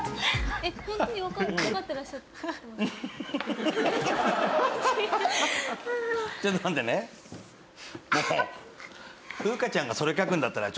えっ。